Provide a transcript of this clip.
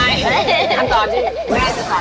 ตอนที่แม่จะสอนการปั้นนะคะ